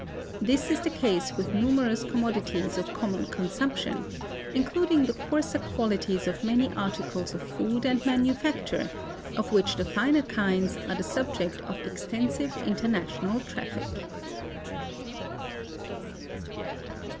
This is the case with numerous commodities of common consumption, including the coarser qualities of many articles of food and manufacture, of which the finer kinds are the subject of extensive international traffic.